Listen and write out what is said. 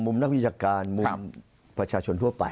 มุมนักวิจักรการมุมประชาชนทั่วไป